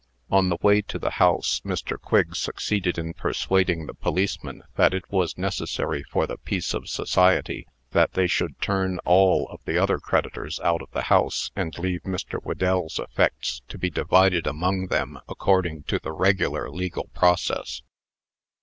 On the way to the house, Mr. Quigg succeeded in persuading the policemen that it was necessary for the peace of society that they should turn all the other creditors out of the house, and leave Mr. Whedell's effects to be divided among them according to the regular legal process.